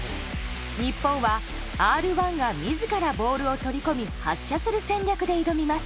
日本はＲ１が自らボールを取り込み発射する戦略で挑みます。